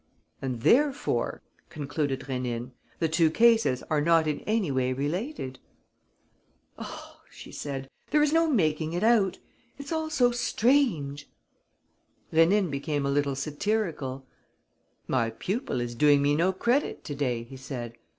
"And therefore," concluded Rénine, "the two cases are not in any way related?" "Oh," she said, "there's no making it out! It's all so strange!" Rénine became a little satirical: "My pupil is doing me no credit to day," he said.